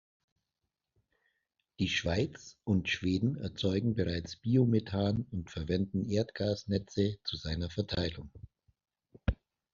Die Schweiz und Schweden erzeugen bereits Biomethan und verwenden Erdgasnetze zu seiner Verteilung.